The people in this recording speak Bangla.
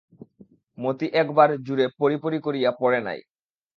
মতি একবার জুরে পড়ি পড়ি করিয়া পড়ে নাই।